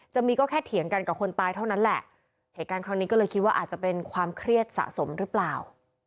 จะมีก็แค่เถียงกันกับคนตายเท่านั้นแหละเหตุการณ์ครั้งนี้ก็เลยคิดว่าอาจจะเป็นความเครียดสะสมหรือเปล่า